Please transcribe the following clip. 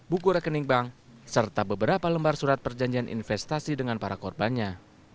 buku rekening bank serta beberapa lembar surat perjanjian investasi dengan para korbannya